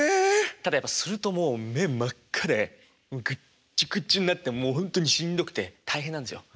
ただやっぱするともう目真っ赤でグッチュグチュになってほんとにしんどくて大変なんですよ。